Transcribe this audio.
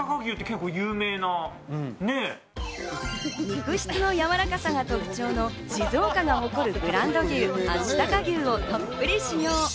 肉質のやわらかさが特徴の静岡が誇るブランド牛、あしたか牛をたっぷり使用。